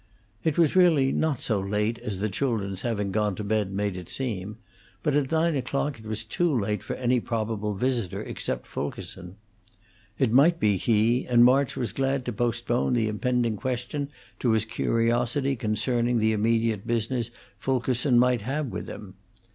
It was really not so late as the children's having gone to bed made it seem; but at nine o'clock it was too late for any probable visitor except Fulkerson. It might be he, and March was glad to postpone the impending question to his curiosity concerning the immediate business Fulkerson might have with him.